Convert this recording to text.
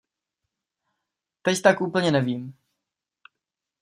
Teď tak úplně nevím.